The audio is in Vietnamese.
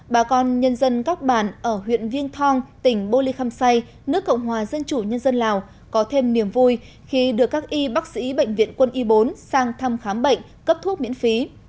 bà con nhân dân các bản ở huyện viên thong tỉnh bô lê khăm say nước cộng hòa dân chủ nhân dân lào có thêm niềm vui khi được các y bác sĩ bệnh viện quân y bốn sang thăm khám bệnh cấp thuốc miễn phí